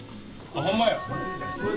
・ほんまや。